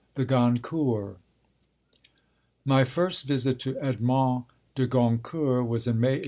THE GONCOURTS My first visit to Edmond de Goncourt was in May 1892.